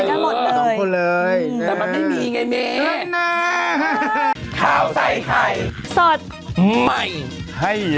พูดเหมือนกันหมดเลย